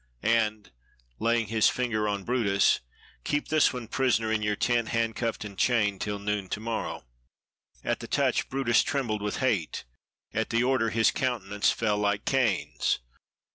"And" (laying his finger on brutus) "keep this one prisoner in your tent, handcuffed and chained, till noon to morrow." At the touch, brutus trembled with hate; at the order, his countenance fell like Cain's.